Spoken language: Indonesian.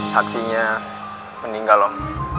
saksinya meninggal om